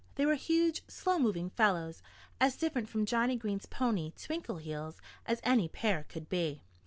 They were huge, slow moving fellows, as different from Johnnie Green's pony, Twinkleheels, as any pair could be.